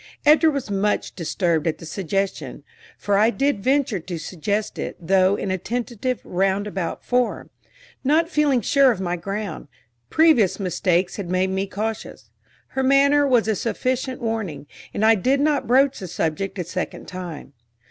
Edra was much disturbed at the suggestion; for I did venture to suggest it, though in a tentative, roundabout form, not feeling sure of my ground: previous mistakes had made me cautious. Her manner was a sufficient warning; and I did not broach the subject a second time.